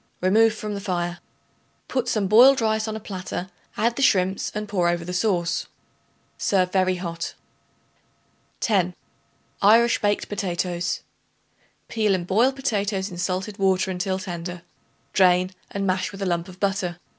Remove from the fire. Put some boiled rice on a platter; add the shrimps and pour over the sauce. Serve very hot. 10. Irish Baked Potatoes. Peel and boil potatoes in salted water until tender; drain and mash with a lump of butter.